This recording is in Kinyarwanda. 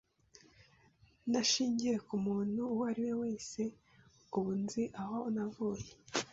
nta shingiye ku muntu uwo ari we wese, ubu nzi aho navuye